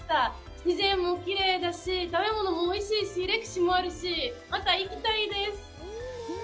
自然もきれいだし、食べ物もおいしいし、歴史もあるし、また行きたいです。